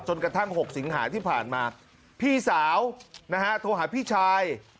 กระทั่ง๖สิงหาที่ผ่านมาพี่สาวนะฮะโทรหาพี่ชาย